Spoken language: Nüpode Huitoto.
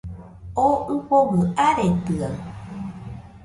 O ɨfogɨ aretɨaɨ